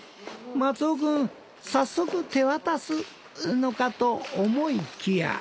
早速手渡すのかと思いきや。